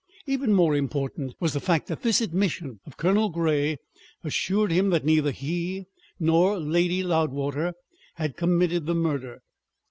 Even more important was the fact that this admission of Colonel Grey assured him that neither he nor Lady Loudwater had committed the murder.